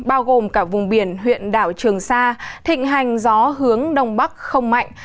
bao gồm cả vùng biển huyện đảo trường sa thịnh hành gió hướng đông bắc không mạnh